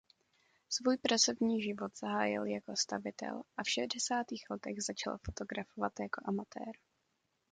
Svůj pracovní život zahájil jako stavitel a v šedesátých letech začal fotografovat jako amatér.